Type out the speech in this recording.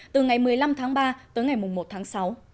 từ ngày một mươi năm tháng ba tới ngày một tháng sáu